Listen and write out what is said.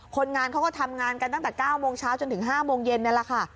คนงานเขาก็ทำงานกันตั้งแต่๙โมงเช้าจนถึง๕โมงเย็นนี่แหละค่ะ